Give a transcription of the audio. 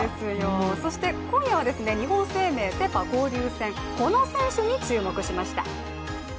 そして今夜は日本生命セ・パ交流戦この選手に注目しました。